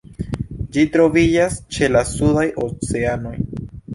Ĝi troviĝas ĉe la sudaj oceanoj.